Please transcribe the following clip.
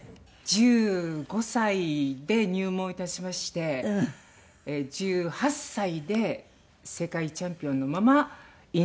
１５歳で入門いたしまして１８歳で世界チャンピオンのまま引退という。